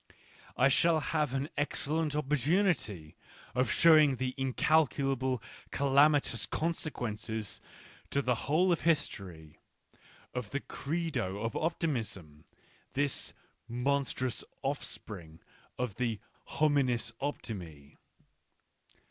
I shall have an excellent opportunity of showing the incal culably calamitous consequences to the whole of history, of the credo of optimism, this monstrous offspring of the homines optimi.